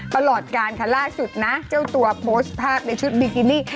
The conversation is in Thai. ตลอดการค่ะล่าสุดนะเจ้าตัวโพสต์ภาพในชุดบิกินี่